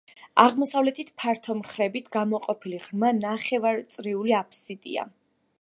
აღმოსავლეთით ფართო მხრებით გამოყოფილი ღრმა ნახევარწრიული აფსიდია.